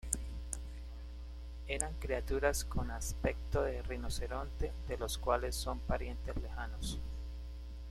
Eran criaturas con aspecto de rinoceronte, de los cuales son parientes lejanos.